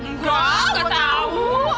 enggak gue tau